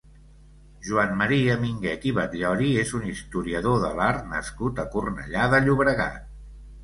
Joan Maria Minguet i Batllori és un historiador de l'art nascut a Cornellà de Llobregat.